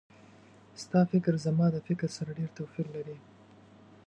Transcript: ستا فکر زما د فکر سره ډېر توپیر لري